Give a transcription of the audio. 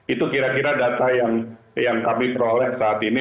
itu kira kira data yang kami peroleh saat ini